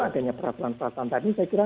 adanya peraturan peraturan tadi saya kira